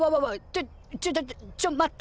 ちょっちょちょちょちょっ待って。